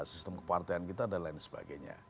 sistem kepartean kita dan lain sebagainya